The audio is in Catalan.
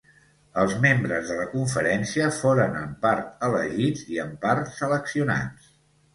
Els membres de la conferència foren en part elegits i en part seleccionats.